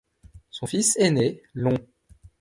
Son fils aîné, l'Hon.